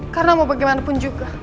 karena mau bagaimanapun juga